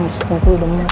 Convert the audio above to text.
masih tunggu gue lemes